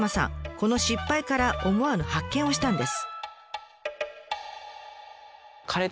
この失敗から思わぬ発見をしたんです。